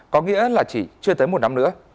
có nghĩa là chỉ chưa tới một năm nữa